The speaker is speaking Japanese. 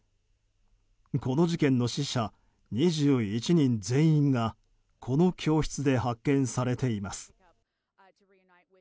この事件の死者２１人全員がこの教室で発見されています。